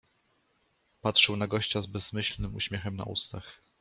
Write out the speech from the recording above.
Patrzył na gościa z bezmyślnym uśmiechem na ustach.